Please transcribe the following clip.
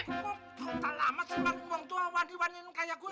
kok tak lama sih orang tua wadi wadiin kaya gue